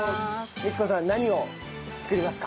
身知子さん何を作りますか？